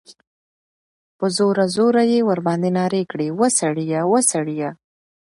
په زوره، زوره ئی ورباندي نارې کړې ، وسړیه! وسړیه!